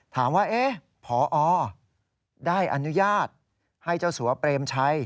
ถามว่าพอได้อนุญาตให้เจ้าสัวเปรมชัย